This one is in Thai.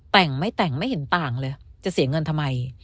แต่งไม่แต่งไม่เห็นต่างเลยจะเสียเงินทำไม